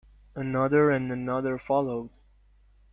Another and another followed.